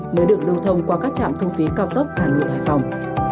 mới được lưu thông qua các trạm thu phí cao tốc hà nội hải phòng